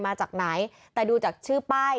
มาจากไหนแต่ดูจากชื่อป้าย